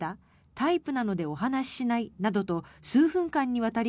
タイプなのでお話ししない？などと数分間にわたり